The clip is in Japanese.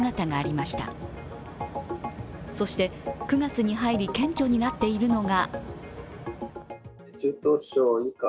そして、９月に入り顕著になっているのが